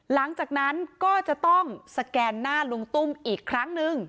หลังจากนั้นก็จะต้องสแกนหน้าลุงตุ้มอีกครั้งนึง